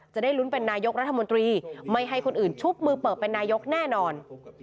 จะได้ลุ้นเป็นนายกรัฐมนตรีไม่ให้คนอื่นชุบมือเปิดเป็นนายกแน่นอน